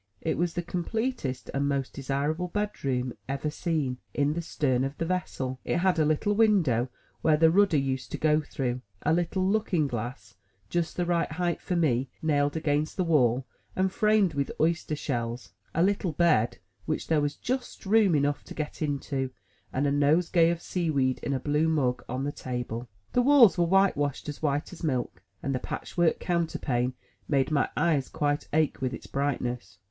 It was the completest and most desirable bedroom ever seen, in the stern of the vessel. It had a little window where the rudder used to go through; a little looking glass, just the right height for me, nailed against the wall, and framed with oyster shells; a little bed which there was just room enough to get into; and a nosegay of seaweed in a blue mug on the table. The walls were whitewashed as white as milk, and the patch work counterpane made my eyes quite ache with its brightness.